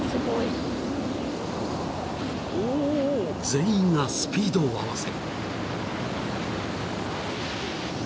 ［全員がスピードを合わせ］